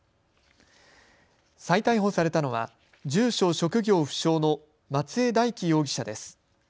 再逮捕されたのは住所・職業不詳の松江大樹容疑者です。